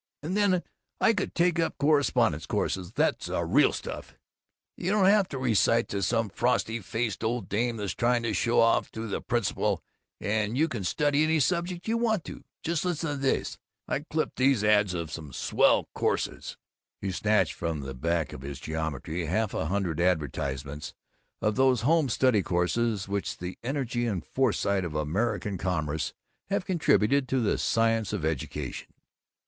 And then I could take up correspondence courses. That's the real stuff! You don't have to recite to some frosty faced old dame that's trying to show off to the principal, and you can study any subject you want to. Just listen to these! I clipped out the ads of some swell courses." He snatched from the back of his geometry half a hundred advertisements of those home study courses which the energy and foresight of American commerce have contributed to the science of education.